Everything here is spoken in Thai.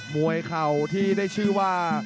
มวยเข่าที่ได้ชื่อว่า